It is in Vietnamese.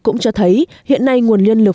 cũng cho thấy hiện nay nguồn nhân lực